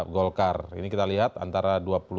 golkar ini kita lihat antara